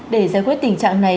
để giải quyết tình trạng này